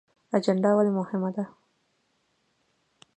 اجنډا ولې مهمه ده؟